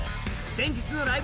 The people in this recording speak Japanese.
先日の「ライブ！